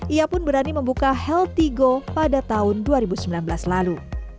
ia pun berani membuka healthy go pada tahun dua ribu sembilan belas lalu